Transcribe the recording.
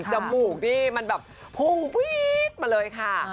จมูกนี่มันแบบพุ่งวี๊ดมาเลยค่ะ